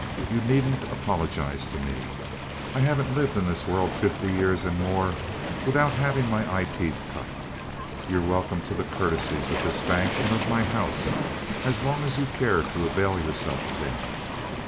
You needn't apologize to me. I haven't lived in this world fifty years and more without having my eye teeth cut. You're welcome to the courtesies of this bank and of my house as long as you care to avail yourself of them.